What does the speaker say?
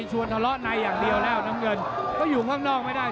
ชวนทะเลาะในอย่างเดียวแล้วน้ำเงินก็อยู่ข้างนอกไม่ได้